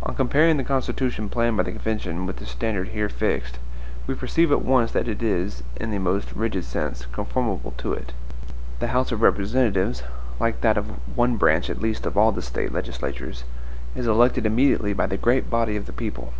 On comparing the Constitution planned by the convention with the standard here fixed, we perceive at once that it is, in the most rigid sense, conformable to it. The House of Representatives, like that of one branch at least of all the State legislatures, is elected immediately by the great body of the people.